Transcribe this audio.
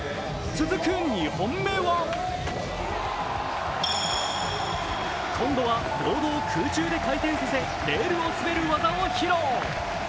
続く２本目は、今度はボードを空中で回転させレールを滑る技を披露。